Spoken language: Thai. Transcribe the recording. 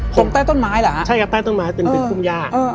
ตรงใต้ต้นไม้เหรออเจมส์ใช่ครับตรงใต้ต้นไม้เป็นคุมยา